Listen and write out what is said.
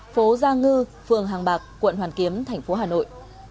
phố gia ngư phường hàng bạc quận hoàn kiếm thành phố hà nội